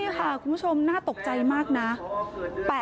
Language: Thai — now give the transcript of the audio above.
เชิงชู้สาวกับผอโรงเรียนคนนี้